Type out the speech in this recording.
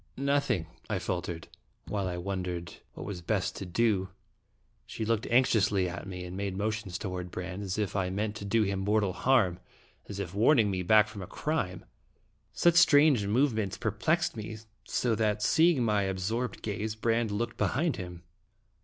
"Nothing," I faltered. While I wondered Dramatic in 4ft 2 Westing. 129 what was best to do, she looked anxiously at me, and made motions toward Brande, as if I meant to do him mortal harm, as if warning me back from a crime. Such strange move ments perplexed me, so that, seeing my ab sorbed gaze, Brande looked behind him.